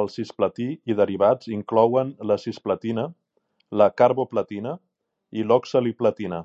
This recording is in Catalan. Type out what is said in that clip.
El cisplatí i derivats inclouen la cisplatina, la carboplatina i l'oxaliplatina.